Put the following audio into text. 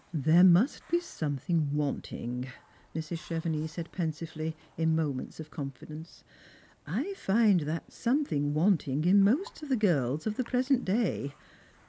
"There must be something wanting," Mrs. Chevenix said pensively, in moments of confidence. " I find that something wanting in most of the girls of the present day.